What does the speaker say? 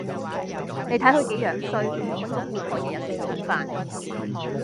你睇佢幾樣衰，搵個富婆日日食軟飯